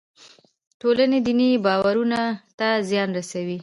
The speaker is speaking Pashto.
ټولنې دیني باورونو ته زیان رسوي.